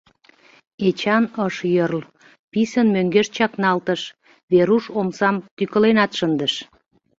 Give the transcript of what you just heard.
Эчан ыш йӧрл, писын мӧҥгеш чакналтыш, Веруш омсам тӱкыленат шындыш.